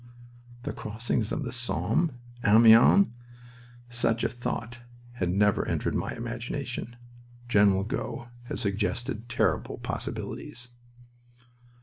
"The crossings of the Somme... Amiens!" Such a thought had never entered my imagination. General Gough had suggested terrible possibilities.